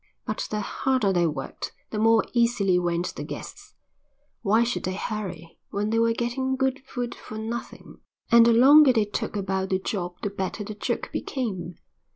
But the harder they worked the more easily went the guests. Why should they hurry, when they were getting good food for nothing and the longer they took about the job the better the joke became?